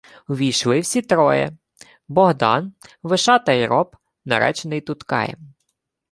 Ввійшли всі троє: Богдан, Вишата й роб, наречений Туткаєм.